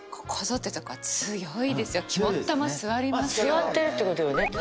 据わってるってことよね？